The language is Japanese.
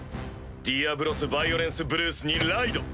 ディアブロスヴァイオレンスブルースにライド！